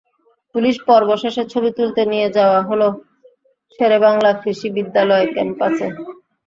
Police পর্ব শেষে ছবি তুলতে নিয়ে যাওয়া হলো শেরেবাংলা কৃষি বিশ্ববিদ্যালয় ক্যাম্পাসে।